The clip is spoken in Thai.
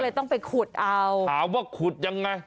ต้องไปขุดเอาถามว่าขุดยังไง